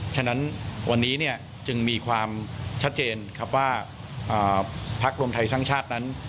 ฉะนั้นวันนี้จึงมีความชัดเจนครับว่าพักรวมไทยสร้างชาตินั้น